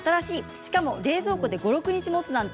しかも冷蔵庫で５、６日もつなんて。